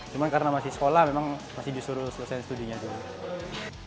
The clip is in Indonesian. cuma karena masih sekolah memang masih disuruh selesai studinya juga